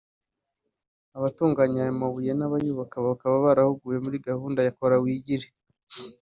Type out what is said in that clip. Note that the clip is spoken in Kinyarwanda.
Abatunganya aya mabuye n’abayubaka bakaba barahuguwe muri gahunda ya Kora wigire